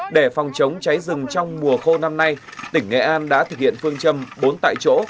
để phòng chống cháy rừng trong mùa khô năm nay tỉnh nghệ an đã thực hiện phương châm bốn tại chỗ